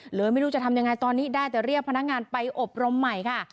หรือไม่รู้จะทำยังไงตอนนี้ได้แต่เรียกพนักงานไปอบรมใหม่ค่ะ